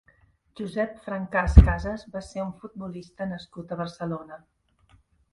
Josep Francàs Casas va ser un futbolista nascut a Barcelona.